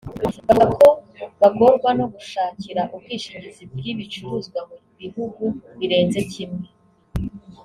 bavuga ko bagorwa no gushakira ubwishingizi bw’ibicuruzwa mu bihugu birenze kimwe